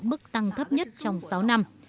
mức tăng thấp nhất trong sáu năm